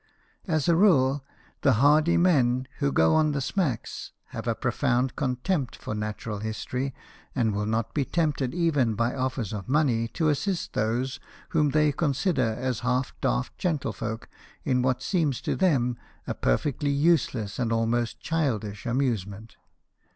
As a rule, the hardy men who go on the smacks have a profound contempt for 1 86 BIOGRAPHIES OF WORKING MEN. natural history, and will not be tempted, even by offers of money, to assist those whom they consider as half daft gentlefolk in what seems to them a perfectly useless and almost childish amusement.